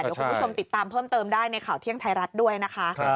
เดี๋ยวคุณผู้ชมติดตามเพิ่มเติมได้ในข่าวเที่ยงไทยรัฐด้วยนะคะ